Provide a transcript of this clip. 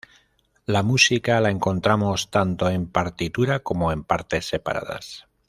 La música la encontramos tanto en partitura como en partes separadas.